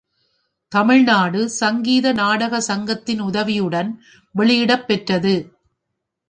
தமிழ்நாடு சங்கீத நாடக சங்கத்தின் உதவியுடன் வெளியிடப் பெற்றது.